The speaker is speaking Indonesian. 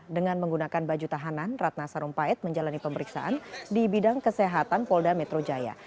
dengan menggunakan baju tahanan ratna sarumpait menjalani pemeriksaan di bidang kesehatan polda metro jaya